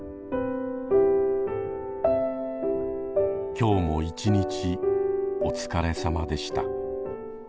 今日も一日お疲れさまでした。